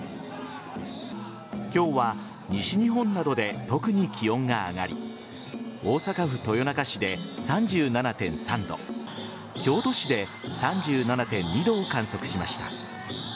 今日は西日本などで特に気温が上がり大阪府豊中市で３７．３度京都市で３７．２度を観測しました。